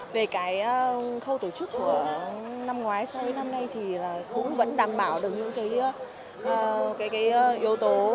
về cái khâu tổ chức của năm ngoái so với năm nay thì cũng vẫn đảm bảo được những cái yếu tố